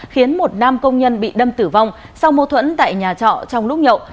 khiến một nam công nhân bị đâm tử vong sau mô thuẫn tại nhà trọ trong lúc nhậu